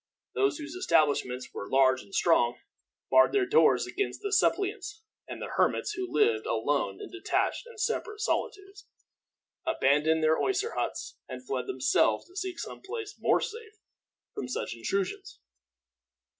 Those whose establishments were large and strong, barred their doors against the suppliants, and the hermits, who lived alone in detached and separate solitudes, abandoned their osier huts, and fled themselves to seek some place more safe from such intrusions.